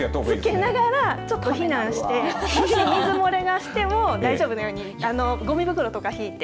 つけながらちょっと避難して水漏れがしても大丈夫なようにごみ袋とかひいて。